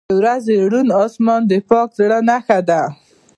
• د ورځې روڼ آسمان د پاک زړه نښه ده.